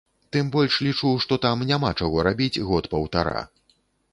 Тым больш лічу, што там няма чаго рабіць год-паўтара.